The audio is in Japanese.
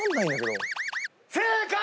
正解！